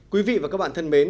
quý vị và các bạn thân mến